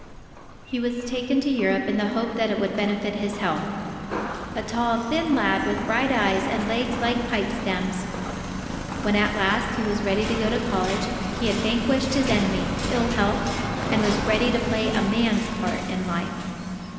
He was taken to Europe, in the hope that it would benefit his health, "a tall thin lad with bright eyes and legs like pipestems." When at last, he was ready to go to college, he had vanquished his enemy, ill health, and was ready to play a man's part in life.